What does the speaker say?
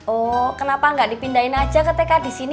oh kenapa gak dipindahin aja ke tk disini